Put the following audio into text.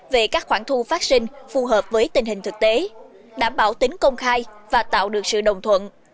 về các khoản thu phát sinh phù hợp với tình hình thực tế đảm bảo tính công khai và tạo được sự đồng thuận